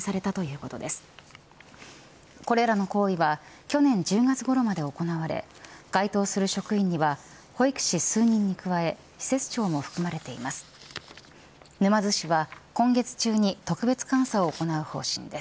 これらの行為は去年１０月ごろまで行われ該当する職員には保育士数人に加え施設長も含まれています。